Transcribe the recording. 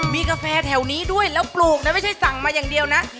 มีกาแฟแถวนี้ด้วยแล้วปลูกนะไม่ใช่สั่งมาอย่างเดียวนะ